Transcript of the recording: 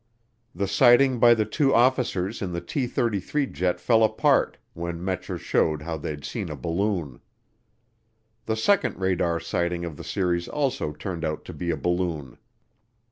The sighting by the two officers in the T 33 jet fell apart when Metscher showed how they'd seen a balloon. The second radar sighting of the series also turned out to be a balloon.